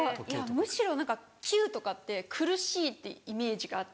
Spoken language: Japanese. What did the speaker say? むしろ何か９とかって苦しいっていうイメージがあって。